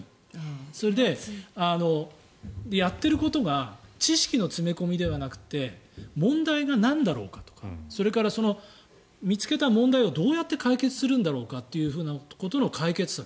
それで、やっていることが知識の詰め込みではなくて問題がなんだろうかとかそれから、見つけた問題をどうやって解決するんだろうかってことの解決策。